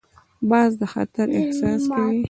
باز د خطر احساس کوي